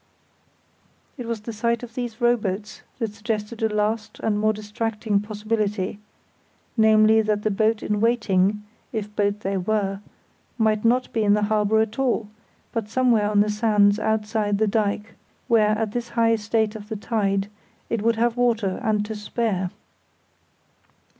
It was the sight of these rowboats that suggested a last and most distracting possibility, namely, that the boat in waiting, if boat there were, might be not in the harbour at all, but somewhere on the sands outside the dyke, where, at this high state of the tide, it would have water and to spare.